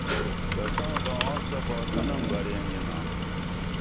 کساں بہ آنس تہ باݜہ نم برین ینا